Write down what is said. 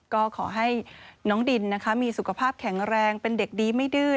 ก็ขอให้น้องดินนะคะมีสุขภาพแข็งแรงเป็นเด็กดีไม่ดื้อ